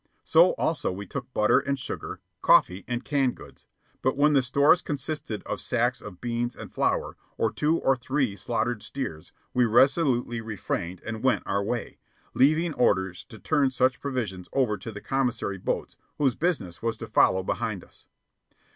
So, also, we took butter and sugar, coffee and canned goods; but when the stores consisted of sacks of beans and flour, or two or three slaughtered steers, we resolutely refrained and went our way, leaving orders to turn such provisions over to the commissary boats whose business was to follow behind us.